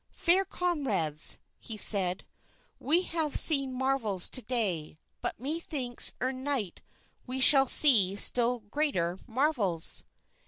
"Fair comrades," he said, "we have seen marvels to day; but methinks ere night we shall see still greater marvels."